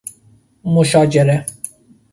مشاجره